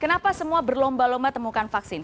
kenapa semua berlomba lomba temukan vaksin